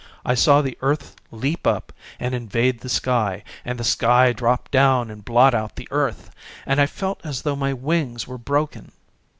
I saw the earth leap up and invade the sky and the sky drop down and blot out the earth, and I felt as though my wings were broken.